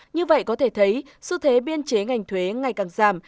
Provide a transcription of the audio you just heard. như vậy có thể thấy xu thế biên chế ngành thuế ngày càng giảm